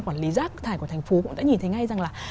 quản lý rác thải của thành phố cũng đã nhìn thấy ngay rằng là